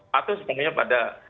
patuh sebenarnya pada